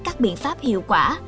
các biện pháp hiệu quả